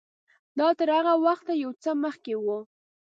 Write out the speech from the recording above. دا تر هغه وخته یو څه مخکې و.